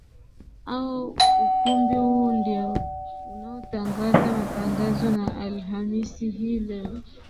ao ukumbi huu ndio unaotangaza matangazo na alhamisi hii leo